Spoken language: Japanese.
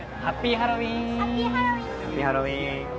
ハッピーハロウィン。